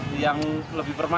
di usia yang semakin senja